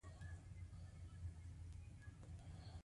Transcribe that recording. لارډ مایو په امباله کنفرانس کې یوه څرګنده ژمنه وکړه.